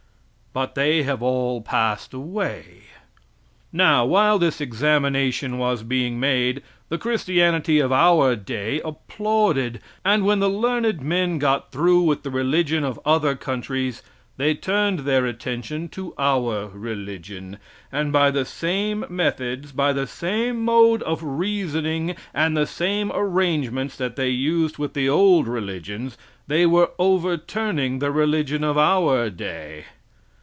But they have all passed away. Now, while this examination was being made, the Christianity of our day applauded, and when the learned men got through with the religion of other countries, they turned their attention to our religion, and by the same methods, by the same mode of reasoning and the same arrangements that they used with the old religions they were overturning the religion of our day.